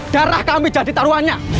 daerah kami jadi taruhannya